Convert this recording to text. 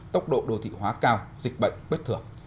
tốc độ đô thị hóa cao dịch bệnh bất thường